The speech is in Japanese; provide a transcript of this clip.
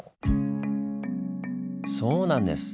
そうなんです！